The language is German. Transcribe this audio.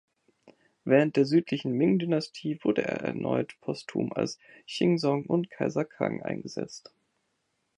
Während der Südlichen Ming-Dynastie wurde er erneut posthum als Xingzong und Kaiser Kang eingesetzt.